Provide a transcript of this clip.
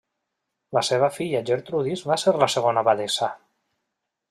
La seva filla Gertrudis va ser la segona abadessa.